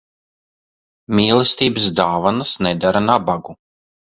Mīlestības dāvanas nedara nabagu.